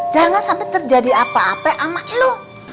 jangan sampai terjadi apa apa sama lo